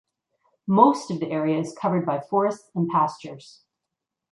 Most of the area is covered by forests and pastures.